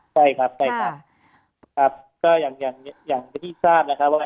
ใช่ครับใช่ครับครับก็อย่างอย่างที่ทราบนะครับว่า